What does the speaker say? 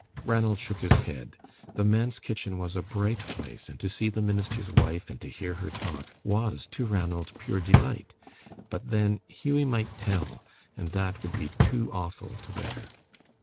Ranald shook his head. The manse kitchen was a bright place, and to see the minister's wife and to hear her talk was to Ranald pure delight. But then, Hughie might tell, and that would be too awful to bear.